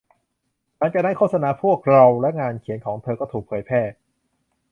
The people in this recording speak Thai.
หลังจากนั้น โฆษณาของพวกเราและงานเขียนของเธอก็ถูกแผยแพร่